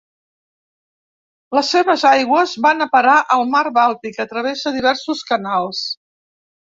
Les seves aigües van a parar al mar Bàltic a través de diversos canals.